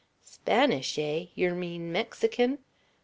"Spanish, eh? Yer mean Mexican?